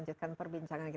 ya saya sudah berada di bali